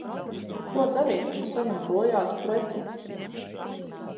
Ko darīt, ja saņemu bojātu preci?